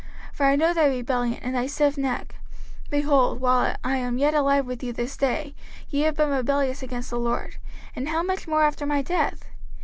05:031:027 For I know thy rebellion, and thy stiff neck: behold, while I am yet alive with you this day, ye have been rebellious against the LORD; and how much more after my death?